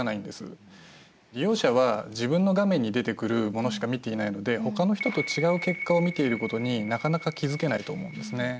利用者は自分の画面に出てくるものしか見ていないので他の人と違う結果を見ていることになかなか気付けないと思うんですね。